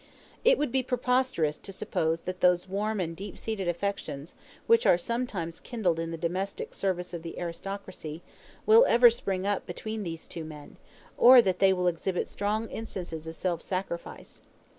It would be preposterous to suppose that those warm and deep seated affections, which are sometimes kindled in the domestic service of aristocracy, will ever spring up between these two men, or that they will exhibit strong instances of self sacrifice.